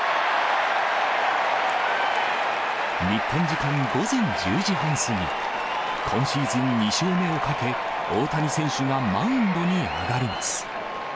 日本時間午前１０時半過ぎ、今シーズン２勝目をかけ、大谷選手がマウンドに上がります。